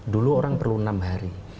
dulu orang perlu enam hari